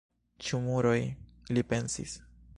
"Ĉu muroj?" li pensis.